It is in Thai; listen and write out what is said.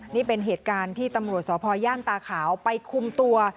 นี่เป็นเหตุการณ์ที่ตำรวจสองค่ะไปคุมตัว